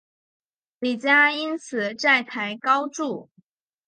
李家因此债台高筑。